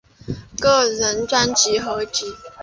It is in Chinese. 个人专辑合辑